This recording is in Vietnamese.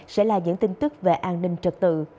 sẽ là những tin tức về an ninh trật tự